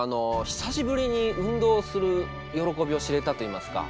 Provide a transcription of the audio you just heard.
久しぶりに運動する喜びを知れたといいますか。